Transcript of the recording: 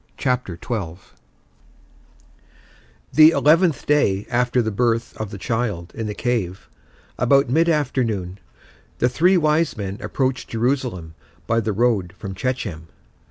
CHAPTER XII The eleventh day after the birth of the child in the cave, about mid afternoon, the three wise men approached Jerusalem by the road from Shechem.